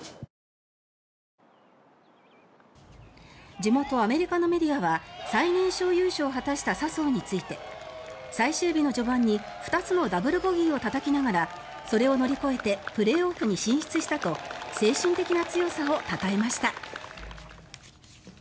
地元アメリカのメディアは最年少優勝を果たした笹生について最終日の序盤に２つのダブルボギーをたたきながらそれを乗り越えてプレーオフに進出したと精神的な強さをたたえました。